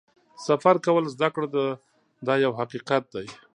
سفر کول زده کړه ده دا یو حقیقت دی.